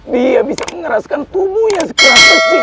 dia bisa mengeraskan kumunya segera